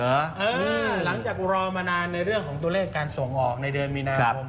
หลังจากรอมานานในเรื่องของตัวเลขการส่งออกในเดือนมีนาคม